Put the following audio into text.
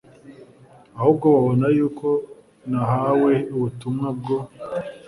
ahubwo babona yuko nahawe ubutumwa bwo